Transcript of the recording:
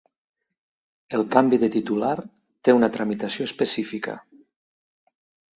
El canvi de titular té una tramitació específica.